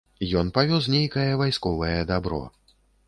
Ён павёз нейкае вайсковае дабро.